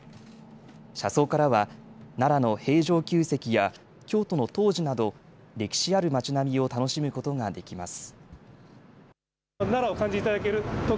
車窓からは奈良の平城宮跡や京都の東寺など歴史ある町並みを楽しむことができます。